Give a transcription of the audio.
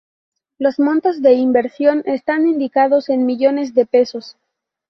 Los montos de inversión están indicados en millones de pesos.